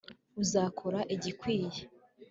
uzakora igikwiye